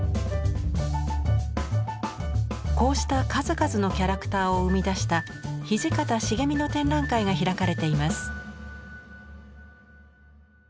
こうした数々のキャラクターを生み出した土方重巳の展覧会が開かれています。